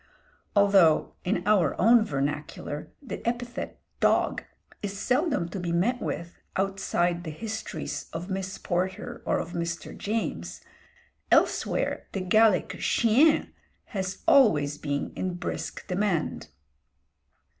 Although in our own vernacular the epithet "dog!" is seldom to be met with outside the histories of Miss Porter or of Mr. James, elsewhere the Gallic "chien!" has always been in brisk demand.